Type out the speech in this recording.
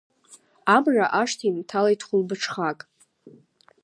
Амра ашҭа инҭалеит хәылбыҽхак!